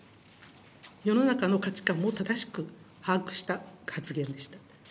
世の中の価値観も正しく把握した発言でした。